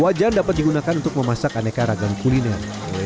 wajan dapat digunakan untuk memasak aneka ragam kuliner